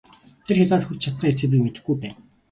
Тэр хязгаарт хүрч чадсан эсэхийг би мэдэхгүй байна!